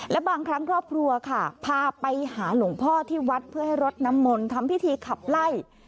และบางครั้งครอบครัวค่ะพาไปหาหลวงพ่อที่วัดเพื่อให้รดน้ำมนต์ทำพิธีขับไล่